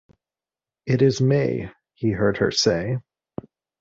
“It is May!” he heard her say.